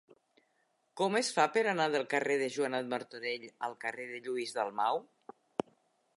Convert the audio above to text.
Com es fa per anar del carrer de Joanot Martorell al carrer de Lluís Dalmau?